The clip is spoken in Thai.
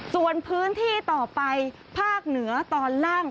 ส่วนพื้นที่ต่อไปภาคเหนือตอนล่าง